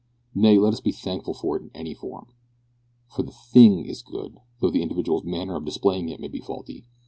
Nay, let us be thankful for it in any form, for the thing is good, though the individual's manner of displaying it may be faulty.